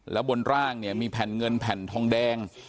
แล้วบนร่างเนี่ยมีแผ่นเงินแผ่นทองแดง